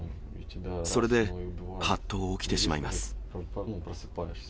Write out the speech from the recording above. それではっと起きてしまいます。